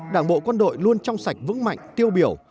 đảng bộ quân đội luôn trong sạch vững mạnh tiêu biểu